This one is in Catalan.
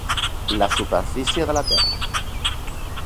La superfície de la terra.